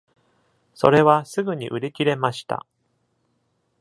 それはすぐに売り切れました。